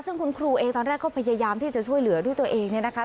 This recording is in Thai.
ซึ่งคุณครูเองตอนแรกก็พยายามที่จะช่วยเหลือด้วยตัวเองเนี่ยนะคะ